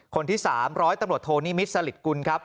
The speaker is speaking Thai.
คนที่๓๐๐ตำรวจโทนิมิตรสลิดกุลครับ